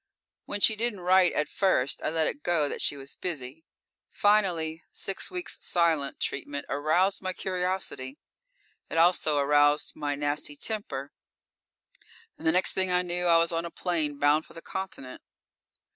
When she didn't write at first, I let it go that she was busy. Finally, six weeks' silent treatment aroused my curiosity. It also aroused my nasty temper, and the next thing I knew I was on a plane bound for the Continent.